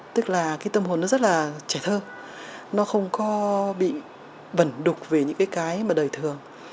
tức là cái tâm hồn nó rất là trẻ thơ nó không có bị bẩn đục về những cái mà đời thường